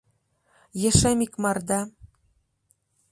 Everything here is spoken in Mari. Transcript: — Ешем икмарда.